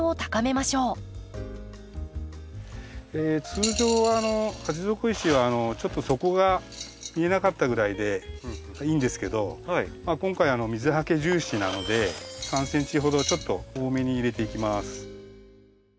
通常鉢底石はちょっと底が見えなかったぐらいでいいんですけど今回水はけ重視なので３ｃｍほどちょっと多めに入れていきます。